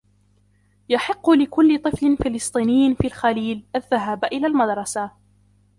يحقّ لكل طفل فلسطيني في الخليل الذهابَ إلى المدرسة.